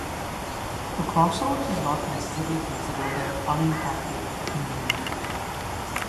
A crossroads is not necessarily considered an unincorporated "community".